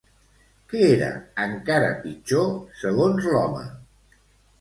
Què era encara pitjor, segons l'home?